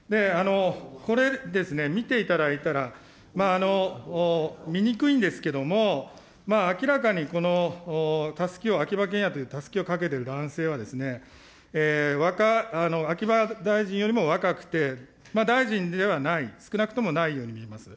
これですね、見ていただいたら、見にくいんですけれども、明らかにこのたすきを、秋葉賢也というたすきをかけている男性は、秋葉大臣よりも若くて、大臣ではない、少なくともないように見えます。